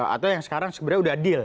atau yang sekarang sebenarnya udah deal